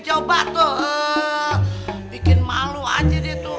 coba tuh bikin malu aja dia tuh